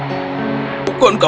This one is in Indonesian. beberapa petugas datang ke pangeran